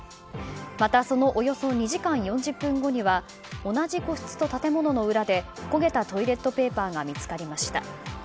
またそのおよそ２時間４０分後には同じ個室と建物の裏で焦げたトイレットペーパーが見つかりました。